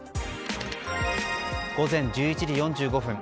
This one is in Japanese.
午前１１時４５分